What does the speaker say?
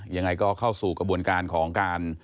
ยังไงก็เข้าสู่กระบวนการของการ